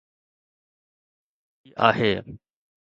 ان جو مطلب هي آهي